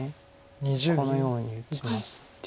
このように打ちまして。